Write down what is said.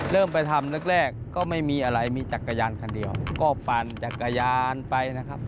เริ่มไปทำแรกแรกก็ไม่มีอะไรมีจักรยานคันเดียวก็ปั่นจักรยานไปนะครับ